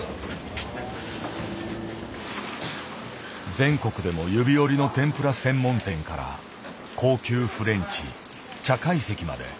全国でも指折りの天ぷら専門店から高級フレンチ茶懐石まで。